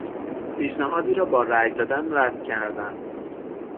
پیشنهادی را با رای دادن رد کردن